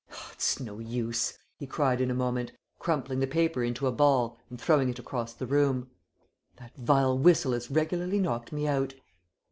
"It's no use," he cried in a moment, crumpling the paper into a ball and throwing it across the room. "That vile whistle has regularly knocked me out."